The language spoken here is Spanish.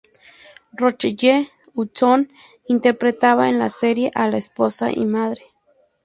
Rochelle Hudson interpretaba en la serie a la esposa y madre.